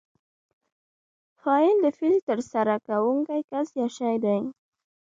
فاعل د فعل ترسره کوونکی کس یا شی دئ.